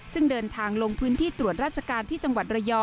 ซึ่งเดินทางลงพื้นที่ตรวจราชการที่จังหวัดระยอง